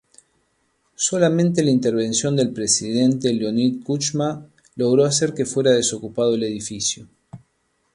Solamente la intervención del presidente Leonid Kuchma logró hacer que fuera desocupado el edificio.